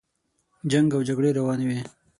جنګ او جګړې روانې وې.